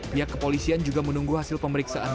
pihak kepolisian juga menunggu hasil pemeriksaan